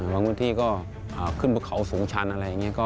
บางพื้นที่ก็ขึ้นบนเขาสูงชันอะไรอย่างนี้